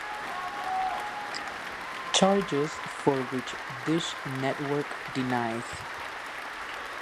Charges for which Dish Network denies.